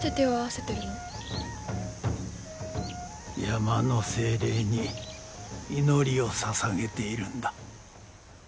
山の精霊に祈りをささげているんだ。